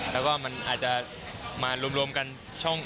แล้วก็มันอาจจะมารวมกันช่อง